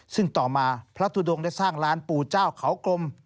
ซึ่งต่อมาพระทุดงได้สร้างร้านปู่เจ้าเขากลม